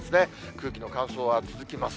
空気の乾燥は続きます。